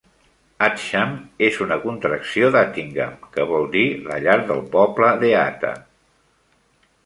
"Atcham" és una contracció d'"Attingham", que vol dir la llar del poble d'Eata.